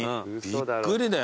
びっくりだよ。